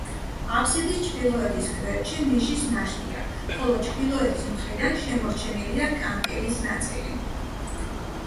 აფსიდის ჩრდილოეთის გვერდში ნიშის ნაშთია, ხოლო ჩრდილოეთის მხრიდან შემორჩენილია კანკელის ნაწილი.